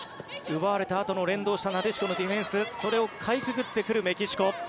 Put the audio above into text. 奪われたあとの連動したなでしこのディフェンスそれをかいくぐってくるメキシコ。